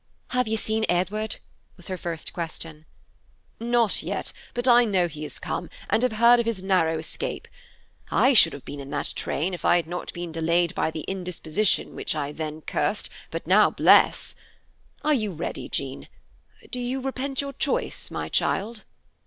"Have you seen Edward?" was her first question. "Not yet, but I know he has come, and have heard of his narrow escape. I should have been in that train, if I had not been delayed by the indisposition which I then cursed, but now bless. Are you ready, Jean? Do you repent your choice, my child?"